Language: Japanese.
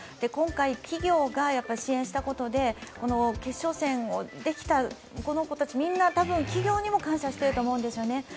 今回、企業が支援したことで決勝戦をできたこの子たちみんな企業にも感謝していると思うんですよね。